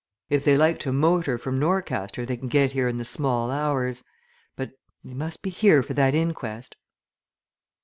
If they like to motor from Norcaster they can get here in the small hours. But they must be here for that inquest."